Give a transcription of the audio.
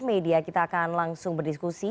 media kita akan langsung berdiskusi